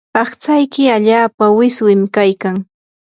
aqtsayki allaapa wiswimim kaykan.